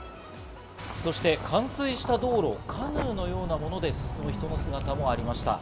そして冠水した道路をカヌーのようなもので進む人の姿もありました。